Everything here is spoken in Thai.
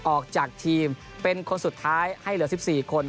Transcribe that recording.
ออกจากทีมเป็นคนสุดท้ายให้เหลือ๑๔คน